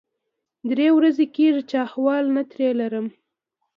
درې ورځې کېږي چې احوال نه ترې لرم.